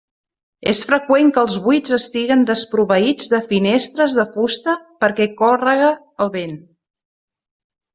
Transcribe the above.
És freqüent que els buits estiguen desproveïts de finestres de fusta perquè córrega el vent.